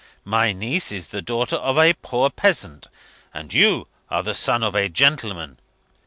My niece is the daughter of a poor peasant; and you are the son of a gentleman.